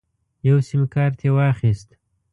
یو سیم کارت یې واخیست.